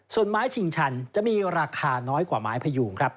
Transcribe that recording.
ส่วนไม้ชิงชันจะมีราคาน้อยกว่าไม้พยูงครับ